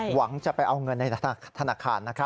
หวังจะไปเอาเงินในธนาคาร